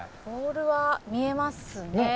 ボールは見えますね。